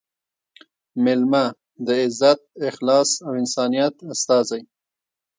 مېلمه – د عزت، اخلاص او انسانیت استازی